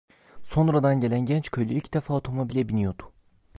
Sonradan gelen genç köylü ilk defa otomobile biniyordu.